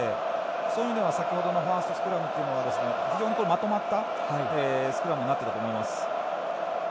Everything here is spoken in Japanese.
そういう意味では先程のファーストスクラムは非常にまとまったスクラムになっていたと思います。